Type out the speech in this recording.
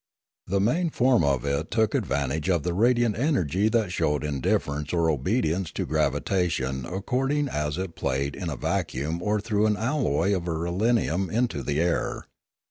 The main form of it took ad vantage of the radiant energy that showed indifference or obedience to gravitation according as it played in a vacuum or through an alloy of irelium into the air.